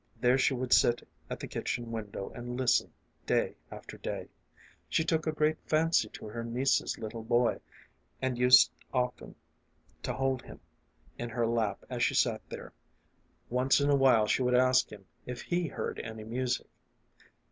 There she would sit at the kitchen window and listen day after day. She took a great fancy to her niece's little boy, and used often to hold him in her lap as she sat there. Once in a while she would ask him if he heard any music.